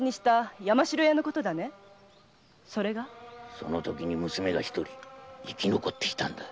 そのときに娘が一人生き残っていたんだ！